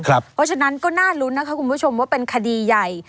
เพราะฉะนั้นก็น่ารุ้นนะคะคุณผู้ชมว่าเป็นคดีใหญ่